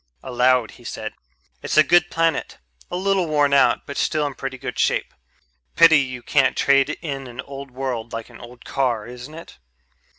Aloud he said, "It's a good planet, a little worn out but still in pretty good shape. Pity you can't trade in an old world like an old car, isn't it?"